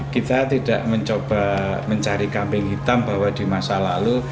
kita tidak mencoba mencari kambing hitam bahwa di masa lalu